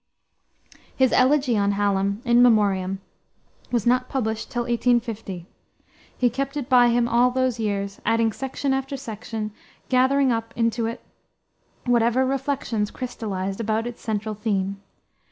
His elegy on Hallam, In Memoriam, was not published till 1850. He kept it by him all those years, adding section after section, gathering up into it whatever reflections crystallized about its central theme.